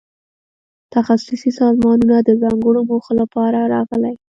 تخصصي سازمانونه د ځانګړو موخو لپاره راغلي.